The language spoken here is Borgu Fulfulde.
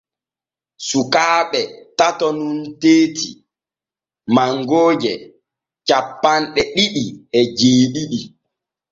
Sukaaɓe tato nun tetti mangooje cappanɗe ɗiɗi e jeeɗiɗi.